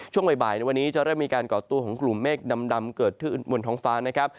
ช่วงบ่ายในวันนี้จะเริ่มมีการก่อตัวของกลุ่มเมฆดำเกิดขึ้นบนท้องฟ้านะครับ